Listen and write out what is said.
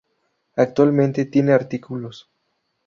Actualmente, tiene artículos.